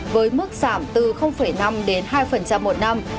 với mức giảm từ năm đến hai một năm